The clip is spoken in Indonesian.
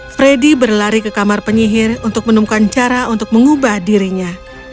freddy berlari ke kamar penyihir untuk menemukan cara untuk mengubah dirinya